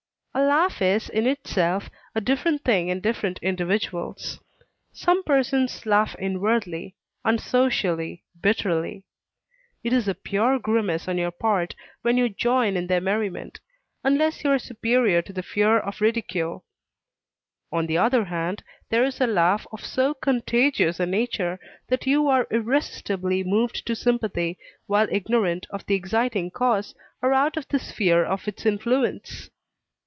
A laugh is in itself a different thing in different individuals. Some persons laugh inwardly, unsocially, bitterly. It is a pure grimace on your part when you join in their merriment, unless you are superior to the fear of ridicule. On the other hand, there is a laugh of so contagious a nature, that you are irresistibly moved to sympathy while ignorant of the exciting cause, or out of the sphere of its influence.